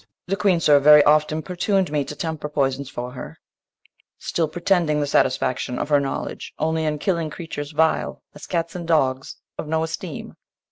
The Queen, sir, very oft importun'd me To temper poisons for her; still pretending The satisfaction of her knowledge only In killing creatures vile, as cats and dogs, Of no esteem.